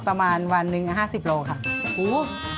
ประมาณวันนึง๕๐โลกร่อนครับ